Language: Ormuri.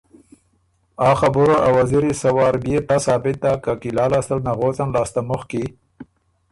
آ خبُره ا وزیری سۀ وار بئے تَۀ ثابت داک که قلعه لاستل نغوڅن لاسته مُخکی